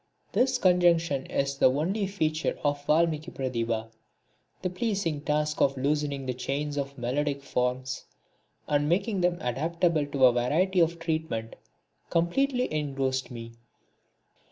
This conjunction is the only special feature of Valmiki Pratibha. The pleasing task of loosening the chains of melodic forms and making them adaptable to a variety of treatment completely engrossed me.